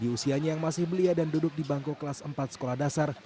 di usianya yang masih belia dan duduk di bangku kelas empat sekolah dasar